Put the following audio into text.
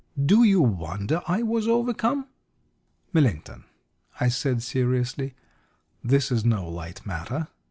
Do you wonder I was overcome?" "Millington," I said seriously, "this is no light matter.